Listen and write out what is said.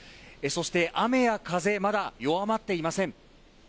そして、雨や風、まだ弱まっていません。